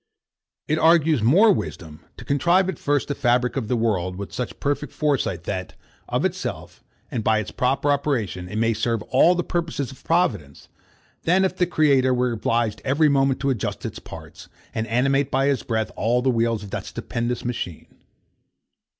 It argues more wisdom to contrive at first the fabric of the world with such perfect foresight that, of itself, and by its proper operation, it may serve all the purposes of providence, than if the great Creator were obliged every moment to adjust its parts, and animate by his breath all the wheels of that stupendous machine.